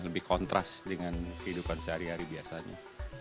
lebih kontras dengan kehidupan sehari hari biasanya